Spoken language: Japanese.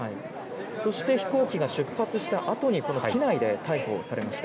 そして飛行機が出発したあとにこの機内で逮捕されました。